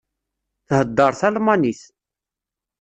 Theddeṛ talmanit.